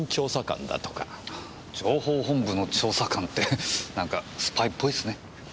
情報本部の調査官て何かスパイっぽいすね。